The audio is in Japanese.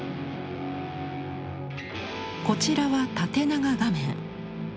こちらは縦長画面。